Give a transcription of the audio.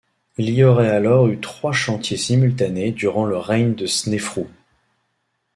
Il y aurait alors eu trois chantiers simultanés durant le règne de Snéfrou.